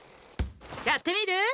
やってみる？